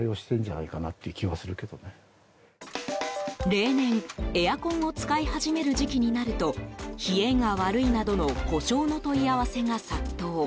例年、エアコンを使い始める時期になると冷えが悪いなどの故障の問い合わせが殺到。